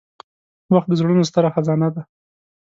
• وخت د زړونو ستره خزانه ده.